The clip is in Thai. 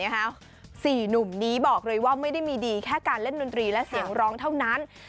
๔หนุ่มนี้บอกเลยว่าไม่ได้มีดีแค่การเล่นดนตรีและเสียงร้องเท่านั้น